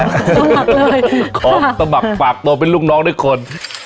ออกต้มมักปากโตเป็นลูกน้องแน่คน